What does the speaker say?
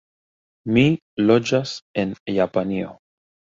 Mi loĝas en Japanio.